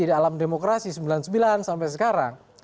di dalam demokrasi sembilan puluh sembilan sampai sekarang